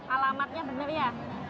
alamatnya bener ya